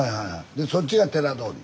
でそっちが寺通り。